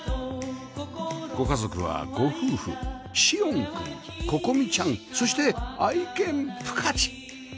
ご家族はご夫婦志音くん心望ちゃんそして愛犬プカチ